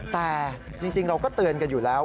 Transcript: แต่จริงเราก็เตือนกันอยู่แล้ว